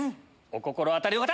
お心当たりの方！